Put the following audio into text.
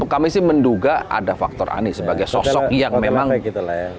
kami sih menduga ada faktor anies sebagai sosok yang memang